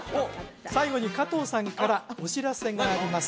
最後に加藤さんからお知らせがあります